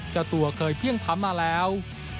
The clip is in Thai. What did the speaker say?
จะตัวเคยเพี่ยงพัมมาแล้ว